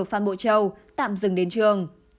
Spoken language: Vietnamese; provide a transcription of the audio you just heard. phan bộ châu tạm dừng đến trường